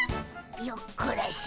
よっこらしょ。